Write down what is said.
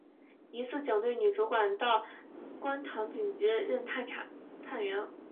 一次警队女主管到观塘警局任探员。